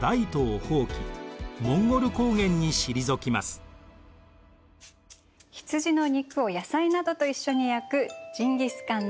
１３６８年元は羊の肉を野菜などと一緒に焼くジンギスカン鍋。